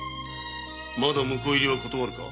まだ婿入りは断るか？